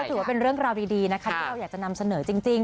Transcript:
ถือว่าเป็นเรื่องราวดีนะคะที่เราอยากจะนำเสนอจริง